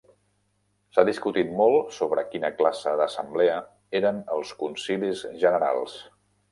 S'ha discutit molt sobre quina classe d'Assemblea eren els Concilis generals.